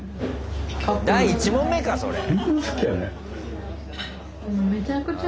第１問目かそれ。